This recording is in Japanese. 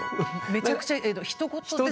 めちゃくちゃひと事ですか？